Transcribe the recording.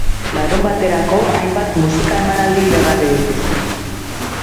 Larunbaterako, hainbat musika-emanaldi iragarri dituzte.